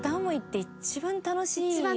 一番楽しい。